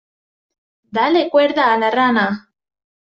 ¡ Dale cuerda a la rana!